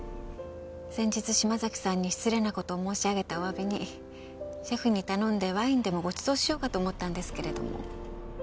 先日島崎さんに失礼な事を申し上げたお詫びにシェフに頼んでワインでもごちそうしようかと思ったんですけれども。